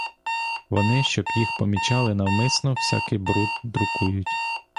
Вони, щоб їх помічали, навмисно всякий бруд друкують.